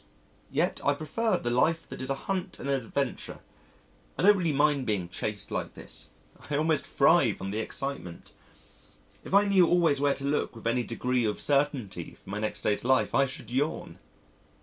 Yet I prefer the life that is a hunt and an adventure. I don't really mind being chased like this. I almost thrive on the excitement. If I knew always where to look with any degree of certainty for my next day's life I should yawn!